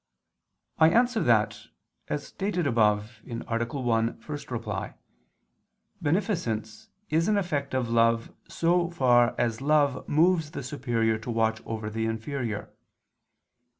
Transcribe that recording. I answer that, As stated above (A. 1, ad 1), beneficence is an effect of love in so far as love moves the superior to watch over the inferior.